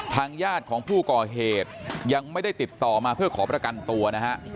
ทางญาติของผู้ก่อเหตุยังไม่ได้ติดต่อมาเพื่อขอประกันตัวนะฮะ